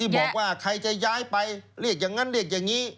บอกว่าใครจะย้ายไปเรียกอย่างนั้นเรียกอย่างนี้